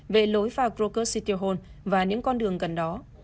về lối vào krakow city hall và những con đường gần đó